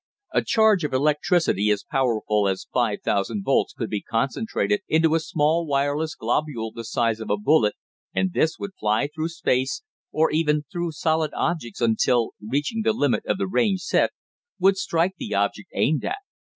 A charge of electricity as powerful as five thousand volts could be concentrated into a small wireless globule the size of a bullet, and this would fly through space, or even through solid objects until, reaching the limit of the range set, would strike the object aimed at.